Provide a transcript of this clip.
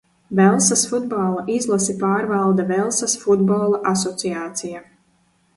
Velsas futbola izlasi pārvalda Velsas Futbola asociācija.